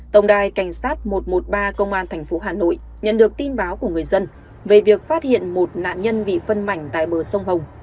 tổng đài cảnh sát một trăm một mươi ba công an tp hà nội nhận được tin báo của người dân về việc phát hiện một nạn nhân bị phân mảnh tại bờ sông hồng